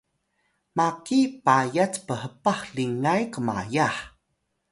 maki payat phpah lingay qmayah